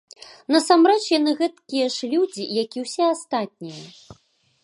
Насамрэч, яны гэткія ж людзі, як і ўсе астатнія!